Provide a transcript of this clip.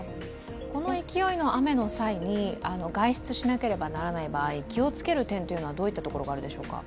この勢いの雨の際に外出しなければならない場合、気をつける点というのは、どういったところがあるでしょうか。